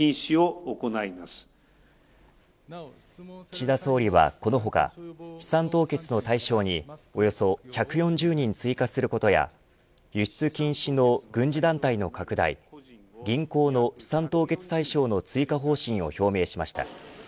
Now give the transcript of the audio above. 岸田総理はこの他資産凍結の対象におよそ１４０人を追加することや輸出禁止の軍事団体の拡大銀行の資産凍結対象の追加方針を表明しました。